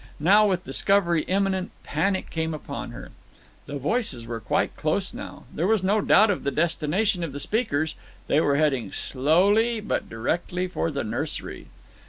Now, with discovery imminent, panic came upon her. The voices were quite close now. There was no doubt of the destination of the speakers. They were heading slowly but directly for the nursery.